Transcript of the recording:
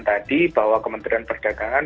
tadi bahwa kementerian perdagangan